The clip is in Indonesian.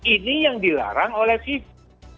ini yang dilarang oleh fifa